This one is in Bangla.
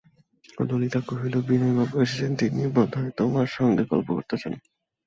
ললিতা কহিল, বিনয়বাবু এসেছেন, তিনি বোধ হয় তোমার সঙ্গে গল্প করতে চান।